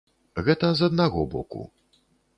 Гэта з аднаго боку.